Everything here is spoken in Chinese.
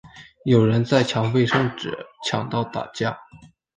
有人在抢卫生纸抢到打架